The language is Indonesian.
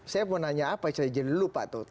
saya mau nanya apa saya jadi dulu pak toto